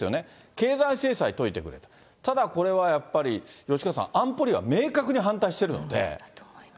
経済制裁解いてくれと、ただ、これはやっぱり吉川さん、安保理は明確に反対しているんですって。